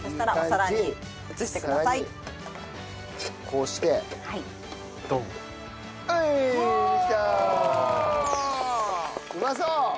うまそう！